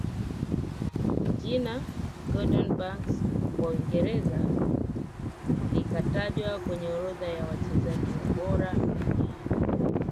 jina gordon banks wa Uingereza likatajwa kwenye orodha ya wachezaji bora duniani